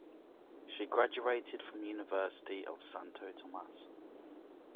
She graduated from University of Santo Tomas.